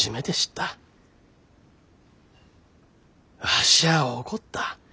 わしゃあ怒った。